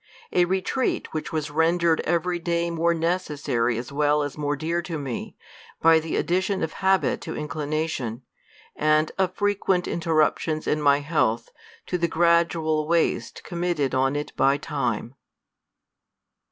A retreat which was rendered every day more necessary as well as more dear to me, by the addition of habit to inclination, and of frequent interruptions in my health to the gradual waste com mitted on it by time* On THE COLUMBIAN ORATOR.